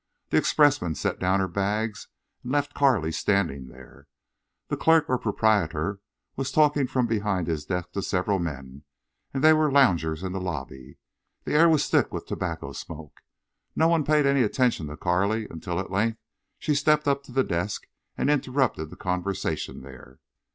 The expressman set down her bags and left Carley standing there. The clerk or proprietor was talking from behind his desk to several men, and there were loungers in the lobby. The air was thick with tobacco smoke. No one paid any attention to Carley until at length she stepped up to the desk and interrupted the conversation there.